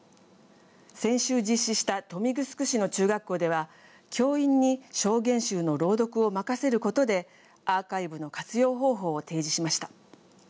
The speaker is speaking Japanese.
先週実施した豊見城市の中学校では教員に証言集の朗読を任せることでアーカイブの活用方法を提示しました。